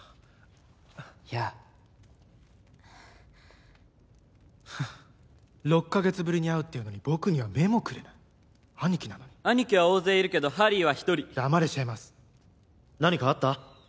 やあはっ６カ月ぶりに会うっていうのに僕には目もくれない兄貴なのに兄貴は大勢いるけどハリーは一人黙れシェーマス∈何かあった？